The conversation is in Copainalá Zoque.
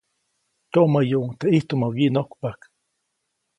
Tyoʼmäyuʼuŋ teʼ ʼijtumä wyiʼnojkpajk.